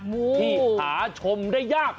ที่หาชมได้ยาก